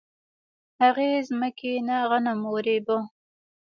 هغې ځمکې نه غنم ورېبه